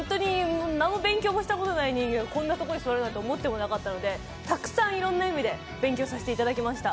何も勉強したことのない人間がこんなところに座るなって思ってもいなかったので、たくさんいろんな意味で勉強させていただきました。